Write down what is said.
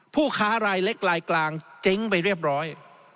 ผู้ค้ารายเล็กรายกลางเจ๊งไปเรียบร้อย